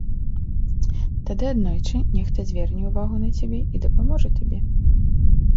Тады аднойчы нехта зверне ўвагу на цябе і дапаможа табе.